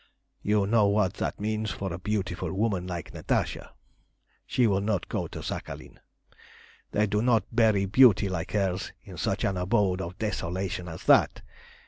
"You know what that means for a beautiful woman like Natasha. She will not go to Sakhalin. They do not bury beauty like hers in such an abode of desolation as that.